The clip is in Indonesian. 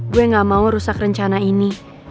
gue gak mau merusak rencana ini